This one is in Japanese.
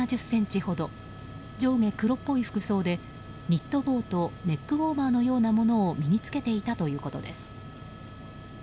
上下黒っぽい服装でニット帽とネックウォーマーのようなものを身に着けていたということです。